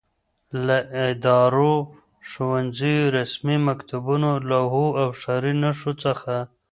له ادارو، ښوونځیو، رسمي مکتوبونو، لوحو او ښاري نښو څخه